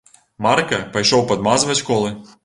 Марка пайшоў падмазваць колы.